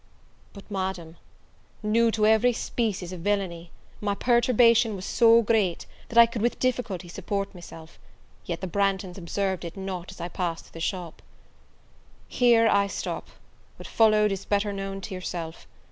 But, Madam, new to every species of villainy, my perturbation was so great, that I could with difficulty support myself, yet the Branghtons observed it not as I passed through the shop. Here I stop: what followed is better known to yourself.